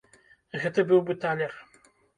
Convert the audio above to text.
Гэты быў бы талер.